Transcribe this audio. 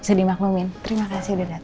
bisa dimaklumin terima kasih udah datang